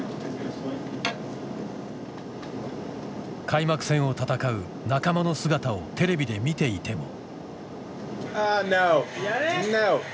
開幕戦を戦う仲間の姿をテレビで見ていても。